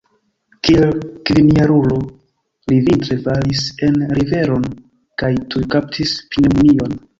Kiel kvinjarulo li vintre falis en riveron kaj tuj kaptis pneŭmonion.